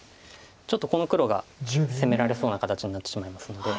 ちょっとこの黒が攻められそうな形になってしまいますので。